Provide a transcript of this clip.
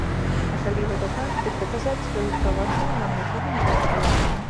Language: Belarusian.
А калі гэта так, дык даказаць сваю правату нам нічога не каштуе.